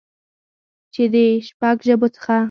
چې د شپږ ژبو څخه